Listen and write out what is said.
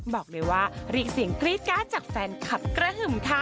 บอกเลยว่าเรียกเสียงกรี๊ดการ์ดจากแฟนคลับกระหึ่มค่ะ